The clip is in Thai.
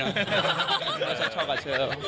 เขาใช้ชอกกัดเชิญ